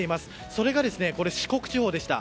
それが四国地方でした。